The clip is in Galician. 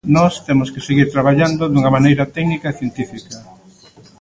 Nós temos que seguir traballando dunha maneira técnica e científica.